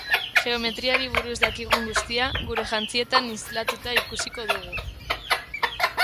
Geometriari buruz dakigun guztia gure jantzietan islatuta ikusiko dugu.